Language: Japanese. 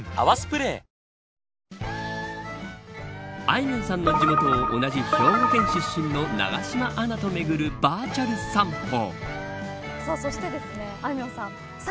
あいみょんさんの地元同じ兵庫県出身の永島アナと巡るバーチャル散歩。